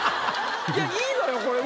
いやいいのよこれ。